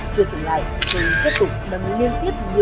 chưa dừng lại hưng kết thúc bấm liên tiếp nhiều lần